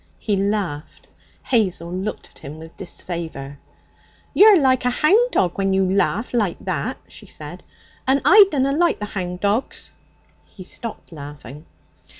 He laughed. Hazel looked at him with disfavour. 'You're like a hound dog when you laugh like to that,' she said, 'and I dunna like the hound dogs.' He stopped laughing.